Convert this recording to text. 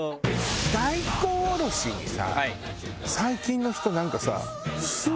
大根下ろしにさ最近の人なんかさス